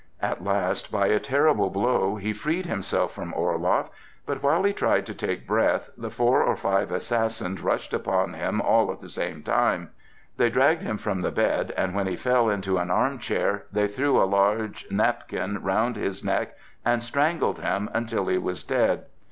At last, by a terrible blow, he freed himself from Orloff, but while he tried to take breath, the four or five assassins rushed upon him all at the same time; they dragged him from the bed, and when he fell into an arm chair, they threw a large napkin round his neck and strangled him until he was dead.